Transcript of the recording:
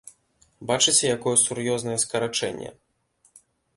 Бачыце, якое сур'ёзнае скарачэнне?